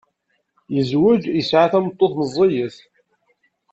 Yezweǧ yesɛa tameṭṭut meẓẓiyet.